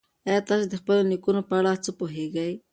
ایا تاسي د خپلو نیکونو په اړه څه پوهېږئ؟